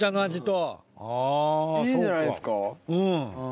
いいんじゃないですか？